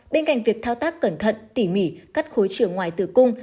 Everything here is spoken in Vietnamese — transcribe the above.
bên cạnh việc thao tác cẩn thận tỉ mỉ cắt khối trường ngoài tử cung